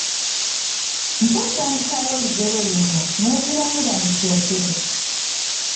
Mpa entandikwa y’olugero luno:,ne ziramira mu kyokero.